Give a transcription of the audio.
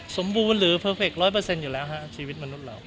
สมบูรณ์หรือเพอร์เฟคร้อยเปอร์เซ็นต์อยู่แล้วฮะชีวิตมนุษย์เรา